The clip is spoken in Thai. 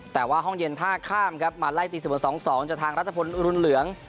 แต่ว่าห้องเย็นท่าข้ามครับมาไล่ตีเสมอ๒๒จากทางรัฐพลอรุณเหลือง